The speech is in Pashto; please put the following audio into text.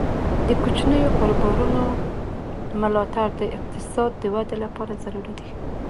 د کوچنیو کاروبارونو ملاتړ د اقتصاد د ودې لپاره ضروري دی.